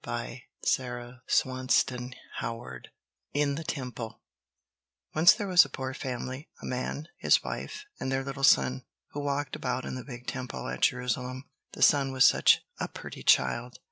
[Illustration: In the Temple] IN THE TEMPLE Once there was a poor family—a man, his wife, and their little son—who walked about in the big Temple at Jerusalem. The son was such a pretty child!